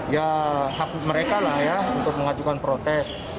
ya hak mereka lah ya untuk mengajukan protes